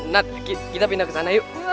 nat kita pindah ke sana yuk